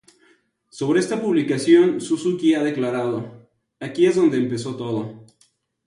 Sobre esta publicación Suzuki ha declarado: "aquí es donde empezó todo".